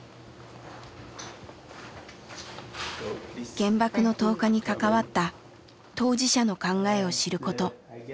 原爆の投下に関わった当事者の考えを知ること。